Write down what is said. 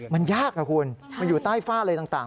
มันยากครับคุณมันอยู่ใต้ฝ้าเลยต่าง